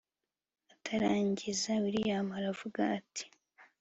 atarangiza william aravuga ati